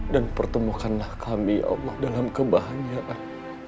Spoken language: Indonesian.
dan pertemukanlah kami ya allah dalam kebahagiaan